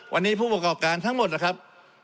วันนี้ผู้ประกอบการทั้งหมดนะครับ